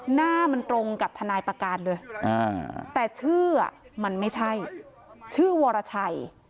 หน้ามันตรงกับทนายประการเลยแต่ชื่อมันไม่ใช่ชื่อวรชัย